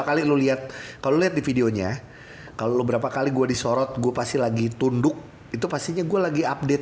kalo lo liat di videonya kalo lo berapa kali gue disorot gue pasti lagi tunduk itu pastinya gue lagi update